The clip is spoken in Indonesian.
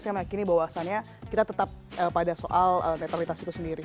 saya meyakini bahwasannya kita tetap pada soal netralitas itu sendiri